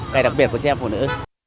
cái đặc biệt của trẻ em phụ nữ